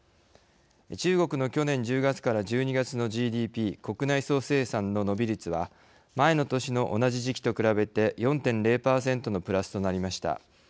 中国の去年１０月から１２月のＧＤＰ＝国内総生産の伸び率は前の年の同じ時期と比べて４．０％のプラスとなりました。